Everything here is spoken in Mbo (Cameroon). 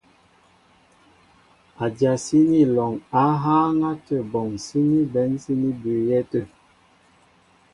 Adyasíní alɔŋ á hááŋ átə bɔŋ síní bɛ̌n síní bʉʉyɛ́ tə̂.